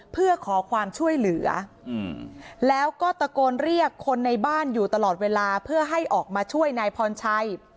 เพื่อขอความช่วยเหลือแล้วก็ตะโกนเรียกคนในบ้านอยู่ตลอดเวลาเพื่อให้ออกมาช่วยนายพรชัย